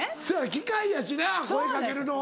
機械やしな声かけるのは。